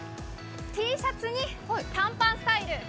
Ｔシャツに短パンスタイル